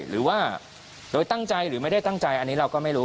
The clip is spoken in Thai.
หรือว่าโดยตั้งใจหรือไม่ได้ตั้งใจอันนี้เราก็ไม่รู้